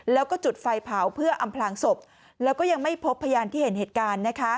แล้วก็จุดไฟเผาเพื่ออำพลางศพแล้วก็ยังไม่พบพยานที่เห็นเหตุการณ์